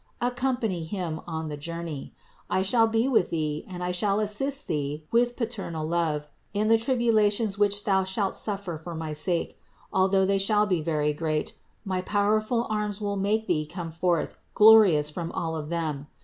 Accompany him on the journey. I shall be with Thee and I shall assist Thee with paternal love in the tribulations which Thou shalt suffer for my sake; although they shall be very great, my powerful arms will make Thee come forth glorious from all of them.